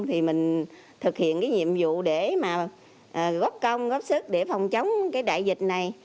thì mình thực hiện cái nhiệm vụ để mà góp công góp sức để phòng chống cái đại dịch này